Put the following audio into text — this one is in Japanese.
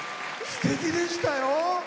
すてきでしたよ。